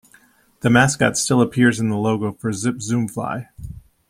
The mascot still appears in the logo for ZipZoomfly.